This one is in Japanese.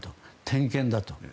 点検だと。